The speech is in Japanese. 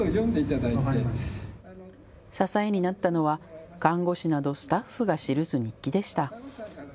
支えになったのは看護師などスタッフが記す日記でした。